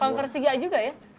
konversi dia juga ya